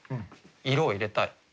色を入れたい。